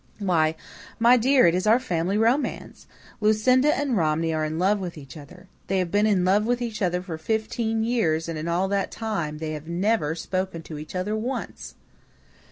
"Why, my dear, it is our family romance. Lucinda and Romney are in love with each other. They have been in love with each other for fifteen years and in all that time they have never spoken to each other once!"